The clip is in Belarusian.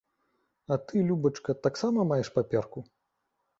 А ты, любачка, таксама маеш паперку?